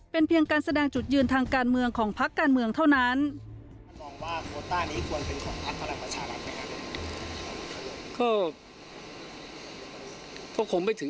เป็นเพียงการแสดงจุดยืนทางการเมืองของพักการเมืองเท่านั้น